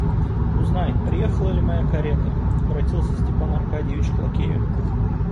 Узнай, приехала ли моя карета, — обратился Степан Аркадьич к лакею.